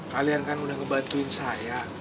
kalian kan udah ngebantuin saya